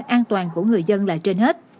an toàn của người dân là trên hết